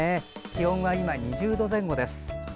気温は今２０度前後です。